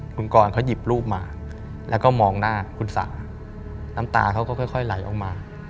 คุณกรเขาหยิบรูปมาแล้วก็มองหน้าคุณสาน้ำตาเขาก็ค่อยไหลออกมา